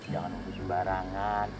jangan hubungi sebarangan